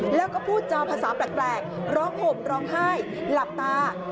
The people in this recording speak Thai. แล้วก็พูดจาวภาษาแปลกร้องห่มร้องไห้หลับตา